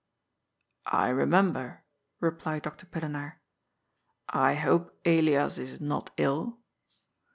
" I remember," replied Dr. Pillenaar. " I hope Elias is not ill."